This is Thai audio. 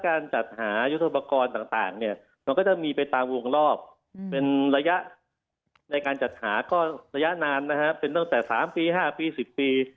การจัดหายุทธปกรณ์ต่างเนี่ยมันก็จะมีไปตามวงรอบเป็นระยะในการจัดหาก็ระยะนานนะฮะเป็นตั้งแต่๓ปี๕ปี๑๐ปี